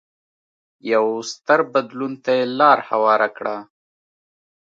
یو ستر بدلون ته یې لار هواره کړه.